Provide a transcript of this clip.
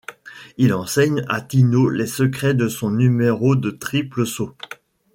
Il enseigne à Tino les secrets de son numéro de triple saut.